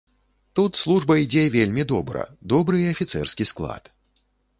Тут служба ідзе вельмі добра, добры і афіцэрскі склад.